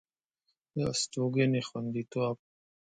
د استوګنې خوندیتوب